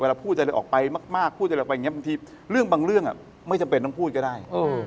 พูดอะไรออกไปมากพูดอะไรออกไปอย่างนี้บางทีเรื่องบางเรื่องไม่จำเป็นต้องพูดก็ได้